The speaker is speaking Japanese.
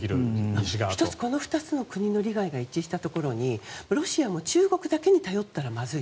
１つこの２つの国の利害が一致したところにロシアも中国だけに頼ったらまずい。